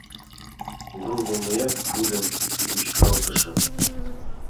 — Дружба! — мыят тудым вӱчкалтышым.